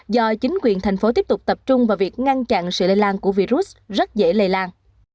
do chính quyền thành phố tiếp tục tập trung vào việc ngăn chặn sự lây lan của virus rất dễ lây lan